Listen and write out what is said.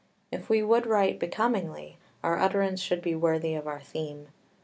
If we would write becomingly, our utterance should be worthy of our theme.